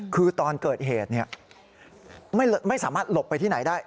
คือตอนเกิดเหตุไม่สามารถหลบไปที่ไหนได้